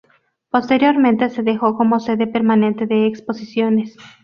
Posteriormente se dejó como sede permanente de exposiciones.